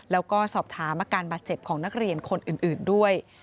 แล้วก็สอบถามอาการบาดเจ็บของนักเรียนคนอื่นด้วย